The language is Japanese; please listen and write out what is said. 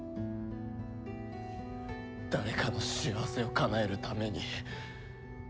誰かの幸せをかなえるために。